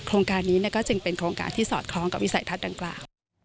โครงการนี้ก็จึงเป็นโครงการที่สอดคล้องกับวิสัยทัศน์ดังกล่าว